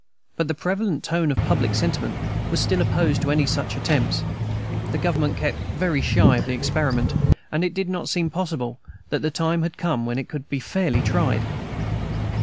But the prevalent tone of public sentiment was still opposed to any such attempts; the government kept very shy of the experiment, and it did not seem possible that the time had come when it could be fairly tried.